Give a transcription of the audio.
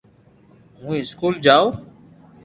ھون اسڪول جاو